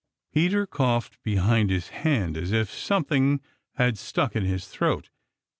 Peter coughed behind his hand as if something had stuck in his throat.